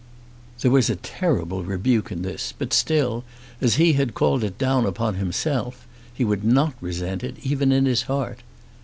There was a terrible rebuke in this; but still, as he had called it down upon himself, he would not resent it, even in his heart.